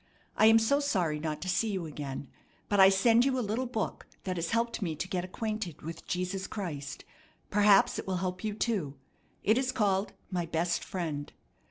I am so sorry not to see you again, but I send you a little book that has helped me to get acquainted with Jesus Christ. Perhaps it will help you too. It is called 'My Best Friend.'